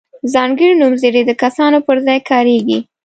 ځانګړي نومځري د کسانو پر ځای کاریږي.